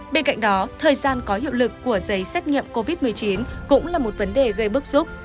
bên cạnh đó thời gian có hiệu lực của giấy xét nghiệm covid một mươi chín cũng là một vấn đề gây bức xúc